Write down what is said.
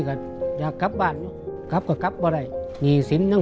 ก็จะมีความสุขอยู่